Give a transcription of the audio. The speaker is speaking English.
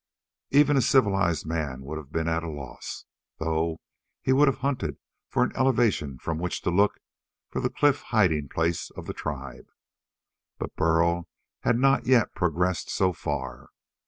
Even a civilized man would have been at a loss, though he would have hunted for an elevation from which to look for the cliff hiding place of the tribe. But Burl had not yet progressed so far.